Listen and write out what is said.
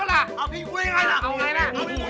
เอาพี่อยู่นี่ไงล่ะ